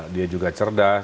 dia juga cerdas